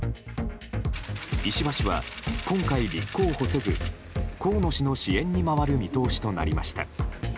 石破氏は今回立候補せず河野氏の支援に回る見通しとなりました。